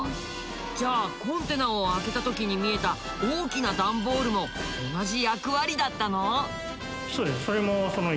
じゃあコンテナを開けた時に見えた大きな段ボールも同じ役割だったの？